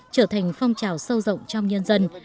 trở thành phong trào sâu rộng trong nhân dân